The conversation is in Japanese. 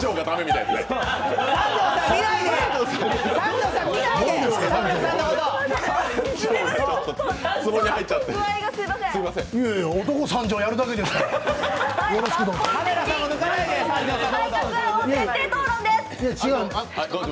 いやいや、男・三条、やるだけですからよろしくどうぞ。